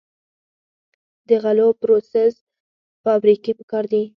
د غلو پروسس فابریکې پکار دي.